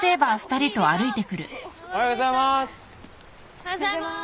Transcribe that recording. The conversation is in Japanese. ・おはようございます。